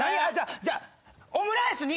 じゃあオムライスに。